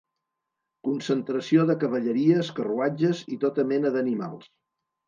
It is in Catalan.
Concentració de cavalleries, carruatges i tota mena d'animals.